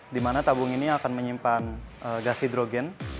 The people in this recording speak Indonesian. di mana tabung ini akan menyimpan gas hidrogen